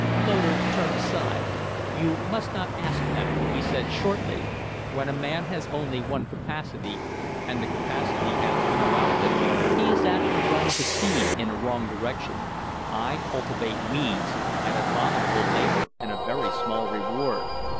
Loder turned aside. "You must not ask that," he said, shortly. "When a man has only one capacity, and the capacity has no outlet, he is apt to run to seed in a wrong direction. I cultivate weeds at abominable labor and a very small reward."